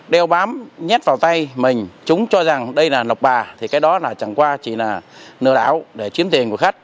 đeo bám nhét vào tay mình chúng cho rằng đây là lọc bà thì cái đó chẳng qua chỉ là nửa đảo để chiếm tiền của khách